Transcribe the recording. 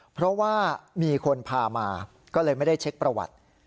เพราะว่ามีคนพามาก็เลยไม่ได้เช็คประวัติ